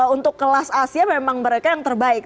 untuk kelas asia memang mereka yang terbaik